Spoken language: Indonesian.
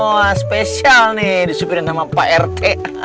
wah spesial nih disupirin sama pak rt